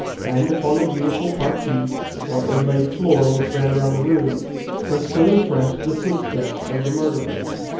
And upon the beautiful parquet, or inlaid floor which ran round the room, were still impressed the footsteps of the murderer.